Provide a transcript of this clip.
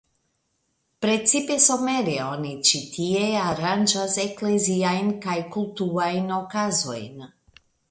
Precipe somere oni ĉi tie aranĝas ekleziajn kaj kultuajn okazojn.